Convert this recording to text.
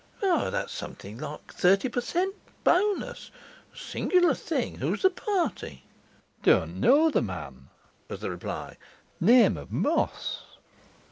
'Why, that's something like thirty per cent. bonus; a singular thing! Who's the party?' 'Don't know the man,' was the reply. 'Name of Moss.